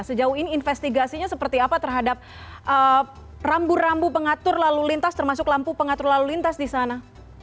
sejauh ini investigasinya seperti apa terhadap rambu rambu pengatur lalu lintas termasuk lampu pengatur lalu lintas di sana